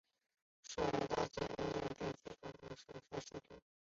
设为大兴安岭地区行政公署所在地。